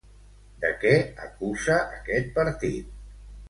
De què acusa aquest partit?